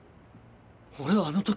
俺はあの時。